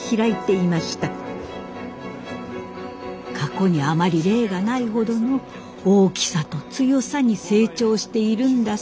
過去にあまり例がないほどの大きさと強さに成長しているんだそうです。